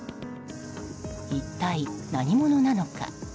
一体何者なのか。